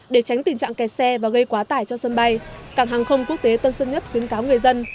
để tránh tình trạng kẹt xe và gây quá tải cho sân bay cảng hàng không quốc tế tân sơn nhất khuyến cáo người dân